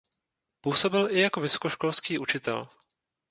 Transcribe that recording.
Působil i jako vysokoškolský učitel.